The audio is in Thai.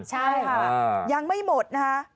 ใช่ครับยังไม่หมดนะครับ